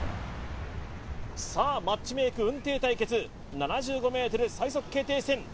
さあマッチメイクうんてい対決７５ｍ最速決定戦